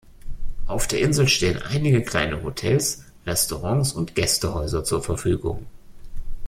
Auf der Insel stehen einige kleine Hotels, Restaurants und Gästehäuser zur Verfügung.